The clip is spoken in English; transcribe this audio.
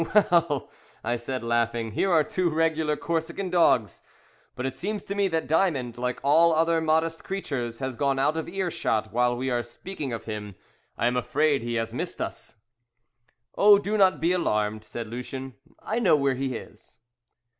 "Well," I said, laughing; "here are two regular Corsican dogs, but it seems to me that Diamond, like all other modest creatures, has gone out of earshot while we are speaking of him. I am afraid he has missed us." "Oh, do not be alarmed," said Lucien, "I know where he is."